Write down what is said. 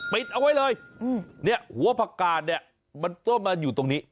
ปิดเอาไว้เลยหัวผักกาดมันต้นมาอยู่ตรงนี้